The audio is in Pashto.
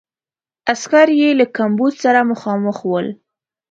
عسکر یې له کمبود سره مخامخ ول.